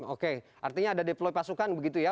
oke artinya ada deploy pasukan begitu ya